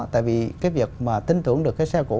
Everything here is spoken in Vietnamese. tại vì cái việc mà tin tưởng được cái xe cũ